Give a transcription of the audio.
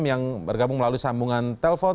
yang bergabung melalui sambungan telpon